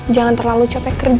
jangan terlalu capek kerja